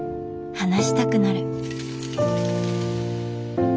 話したくなる。